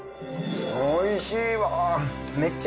おいしいわ。